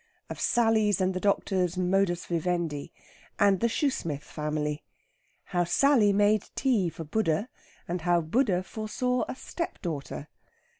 OF SALLY'S AND THE DOCTOR'S "MODUS VIVENDI," AND THE SHOOSMITH FAMILY. HOW SALLY MADE TEA FOR BUDDHA, AND HOW BUDDHA FORESAW A STEPDAUGHTER.